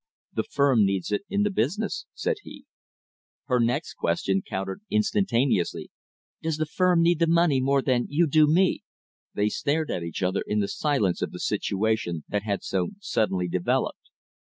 "The firm needs it in the business," said he. Her next question countered instantaneously. "Does the firm need the money more than you do me?" They stared at each other in the silence of the situation that had so suddenly developed.